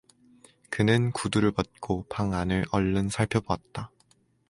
그는 구두를 벗고 방 안을 얼른 살펴보았다.